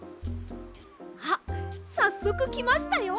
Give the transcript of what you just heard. あっさっそくきましたよ！